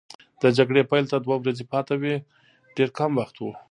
د جګړې پیل ته دوه ورځې پاتې وې، ډېر کم وخت وو.